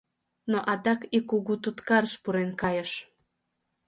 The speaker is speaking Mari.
Но адак ик кугу туткарыш пурен кайыш.